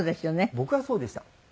僕はそうでした。